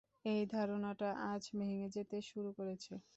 এই ধারণাটা আজ ভেঙে যেতে শুরু করেছে।